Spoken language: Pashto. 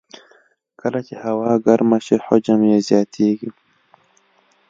کله چې هوا ګرمه شي، حجم یې زیاتېږي.